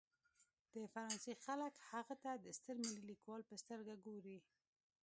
د فرانسې خلک هغه ته د ستر ملي لیکوال په سترګه ګوري.